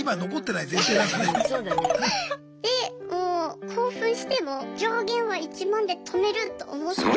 でもう興奮しても上限は１万で止めると思って。